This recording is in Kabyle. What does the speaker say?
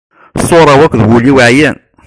Ṣṣura-w akked wul-iw ɛyan.